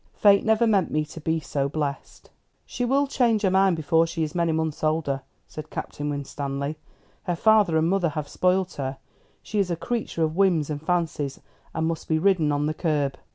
Fate never meant me to be so blessed." "She will change her mind before she is many months older," said Captain Winstanley. "Her father and mother have spoilt her. She is a creature of whims and fancies, and must be ridden on the curb."